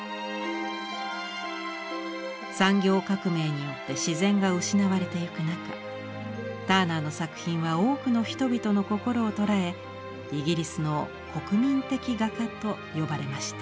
産業革命によって自然が失われていく中ターナーの作品は多くの人々の心を捉えイギリスの国民的画家と呼ばれました。